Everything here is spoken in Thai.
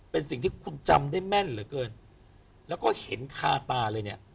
เป็นสิ่งที่คุณจำได้แม่นเหลือเกินแล้วก็เห็นคาตาเลยเนี่ย